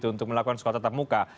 untuk melakukan sekolah tetap muka